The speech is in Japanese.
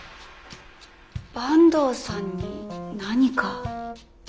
坂東さんに何か？